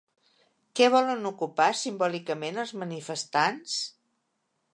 Què volen ocupar simbòlicament els manifestants?